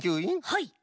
はい。